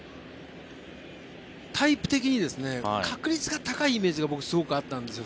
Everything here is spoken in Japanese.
タイプ的に確率が高いイメージが僕、すごいあったんですよ。